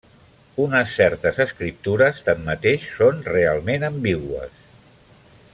Unes certes escriptures, tanmateix, són realment ambigües.